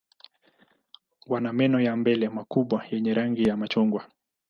Wana meno ya mbele makubwa yenye rangi ya machungwa.